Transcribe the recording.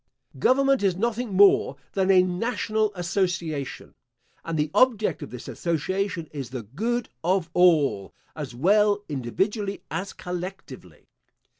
Government is nothing more than a national association; and the object of this association is the good of all, as well individually as collectively.